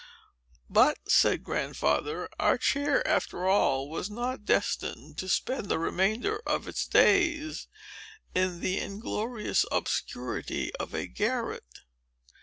"But," said Grandfather, "our chair, after all, was not destined to spend the remainder of its days in the inglorious obscurity of a garret.